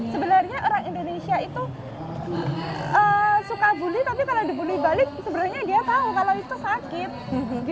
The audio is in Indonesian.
karena orang indonesia itu suka bully tapi kalau dibully balik sebenarnya dia tahu kalau itu sakit